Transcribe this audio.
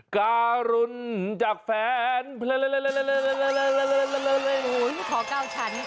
กรุ้นจากแฟนปลลลลลนโหขอก้าวฉัน